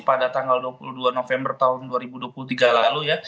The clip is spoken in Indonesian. pada tanggal dua puluh dua november tahun dua ribu dua puluh tiga lalu ya